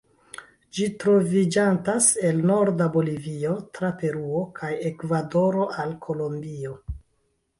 Ĝi troviĝantas el norda Bolivio, tra Peruo kaj Ekvadoro al Kolombio.